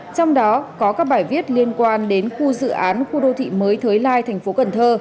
trong đó có các bài viết liên quan đến khu dự án khu đô thị mới thới lai tp cn